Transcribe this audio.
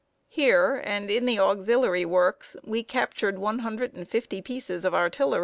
Here, and in the auxiliary works, we captured one hundred and fifty pieces of artillery.